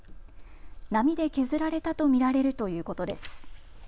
波で削られたと見られるということです。